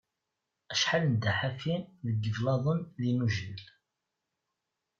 Acḥal nedda ḥafi deg iblaḍen d inujal.